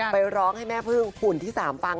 ร้องให้แม่พึ่งหุ่นที่๓ฟัง